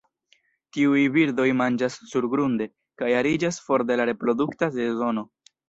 Tiuj birdoj manĝas surgrunde, kaj ariĝas for de la reprodukta sezono.